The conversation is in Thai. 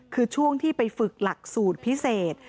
คือช่วงที่ไปฝึกหลักสูตรพิเศษ